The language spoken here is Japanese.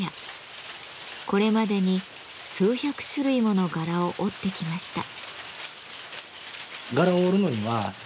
これまでに数百種類もの柄を織ってきました。